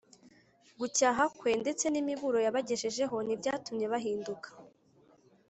gucyaha kwe ndetse n’imiburo yabagejejeho ntibyatumye bahinduka